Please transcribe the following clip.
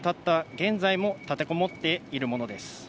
今も、立てこもっているものです。